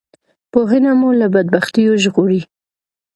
پوهنه مو له بدبختیو ژغوری